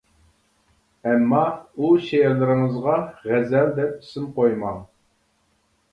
ئەمما، ئۇ شېئىرلىرىڭىزغا ‹غەزەل› دەپ ئىسىم قويماڭ!